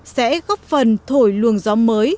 sẽ góp phần thổi luồng gió mới